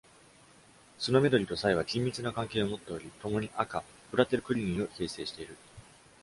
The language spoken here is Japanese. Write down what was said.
ツノメドリとサイは緊密な関係を持っており、ともに亜科 Fraterculini を形成している。